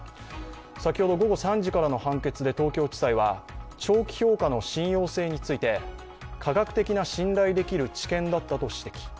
先ほど午後３時からの判決で東京地裁は長期評価の信頼性について科学的な信頼できる知見だったと指摘